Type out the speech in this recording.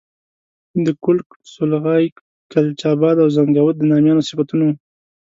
د کُلک، سولغی، کلچ آباد او زنګاوات د نامیانو صفتونه وو.